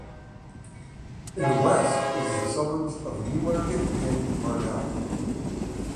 In the west is the suburbs of Newmarket and Parnell.